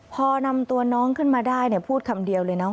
พอนำตัวน้องขึ้นมาได้พูดคำเดียวเลยนะ